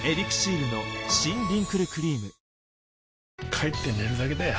帰って寝るだけだよ